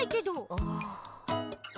ああ。